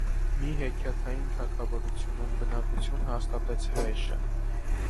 Մի հեքիաթային թագավորությունում բնակություն հաստատեց հրեշը։